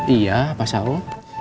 iya pak saum